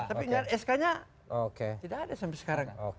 dan sk nya tidak ada sampai sekarang